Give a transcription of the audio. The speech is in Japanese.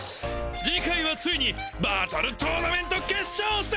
次回はついにバトルトーナメント決勝戦！